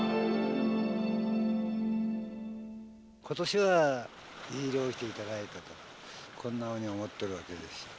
今年はいい漁していただいたとこんなふうに思っとるわけです。